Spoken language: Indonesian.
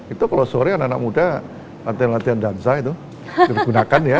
itu kalau sore anak anak muda latihan latihan dansa itu digunakan ya